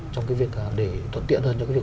trong cái việc